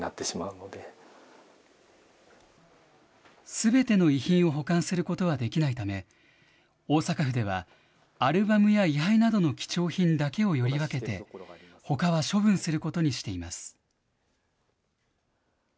すべての遺品を保管することはできないため、大阪府ではアルバムや位はいなどの貴重品だけをより分けて、ほかは処分することにしています。